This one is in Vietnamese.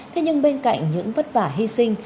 thế nhưng bên cạnh những vất vả hy sinh